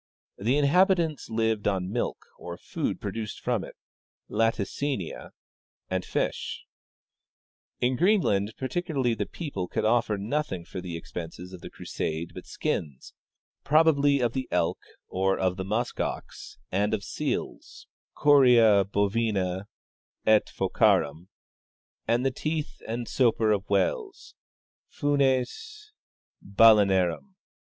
The inhabitants lived on milk, or food produced from it (latimiia), and fish. In Greenland particularly the people could offer nothing for the expenses of the crusade but skins, probably of the elk or of the musk ox and of seals {coria bovina et phocarum) and the teeth and soper of Avhales {funes halenarwii).